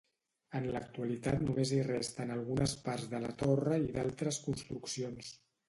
En l'actualitat només hi resten algunes parts de la torre i d'altres construccions.